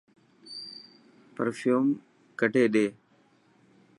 پرفيوم ڪڌي ڏي.